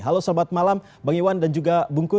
halo selamat malam bang iwan dan juga bungkus